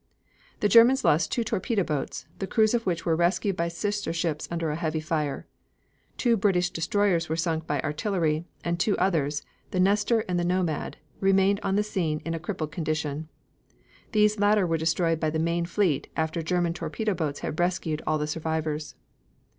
The Germans lost two torpedo boats, the crews of which were rescued by sister ships under a heavy fire. Two British destroyers were sunk by artillery, and two others the Nestor and Nomad remained on the scene in a crippled condition. These later were destroyed by the main fleet after German torpedo boats had rescued all the survivors.